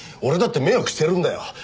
俺だって迷惑してるんだよ！